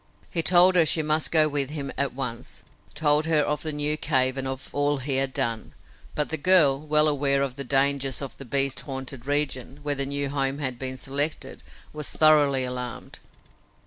He told her she must go with him at once, told her of the new cave and of all he had done, but the girl, well aware of the dangers of the beast haunted region where the new home had been selected, was thoroughly alarmed.